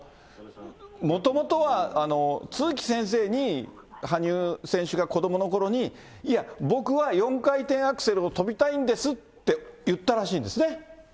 もともとは都築先生に羽生選手が子どものころに、いや、僕は４回転アクセルを跳びたいんですって言ったらしいですね？